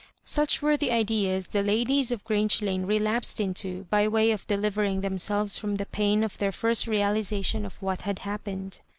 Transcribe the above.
Such were the ideas the ladies of Grange Lane relapsed into by way of delivering themselves from the pain of their first realisation of what had happened.